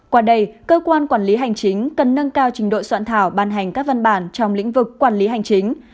qua đây cơ quan quản lý hành chính cần nâng cao trình độ soạn thảo ban hành các văn bản trong lĩnh vực quản lý hành chính